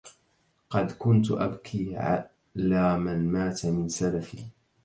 قد كنت أبكي على من مات من سلفي